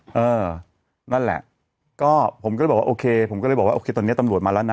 นั่นแหละก็ผมก็เลยบอกว่าโอเคผมก็เลยบอกว่าโอเคตอนนี้ตำรวจมาแล้วนะ